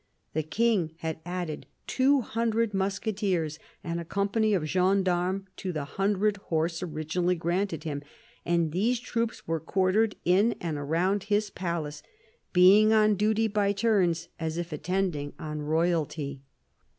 The King had added two hundred musketeers and a company of gendarmes to the hundred horse originally granted him, and these troops were quartered in and around his palace, being on duty by turns, as if attending on Royalty.